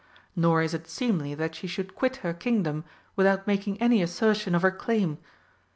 Nor is it seemly that she should quit her Kingdom without making any assertion of her claim.